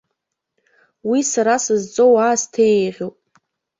Уи сара сызҵоу аасҭа еиӷьуп.